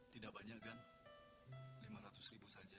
tidak banyak kan lima ratus ribu saja